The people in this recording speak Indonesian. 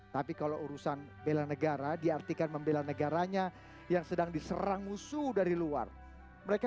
tapi kalau urusan bela negara diartikan membela negaranya yang sedang diserang musuh dari luar mereka